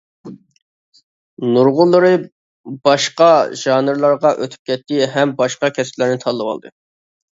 نۇرغۇنلىرى باشقا ژانىرلارغا ئۆتۈپ كەتتى ھەم باشقا كەسىپلەرنى تاللىۋالدى.